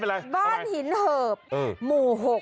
บ้านหิ้นเหิบหมูหก